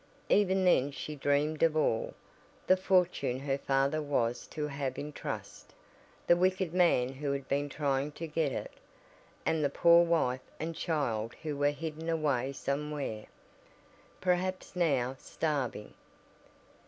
Even then she dreamed of all; the fortune her father was to have in trust, the wicked man who had been trying to get it, and the poor wife and child who were hidden away somewhere, perhaps now starving.